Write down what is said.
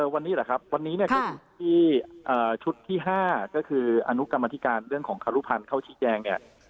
วันนี้หรือครับวันนี้ชุดที่๕ก็คืออนุกรรมอธิการเรื่องของคารุพันธ์เข้าชิกแจง